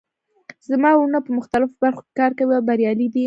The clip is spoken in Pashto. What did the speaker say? زما وروڼه په مختلفو برخو کې کار کوي او بریالي دي